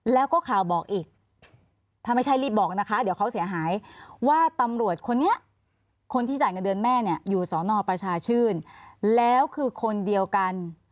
แล้วก็ข่าวบอกอีกถ้าไม่ใช่รีบบอกนะคะเดี๋ยวเขาเสียหายว่าตำรวจคนนี้คนที่จ่ายเงินเดือนแม่เนี่ยอยู่สอนอประชาชื่นแล้วคือคนเดียวกัน